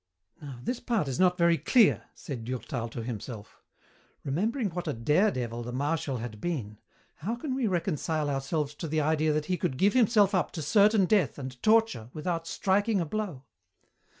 "Now this part is not very clear," said Durtal to himself. "Remembering what a daredevil the Marshal had been, how can we reconcile ourselves to the idea that he could give himself up to certain death and torture without striking a blow?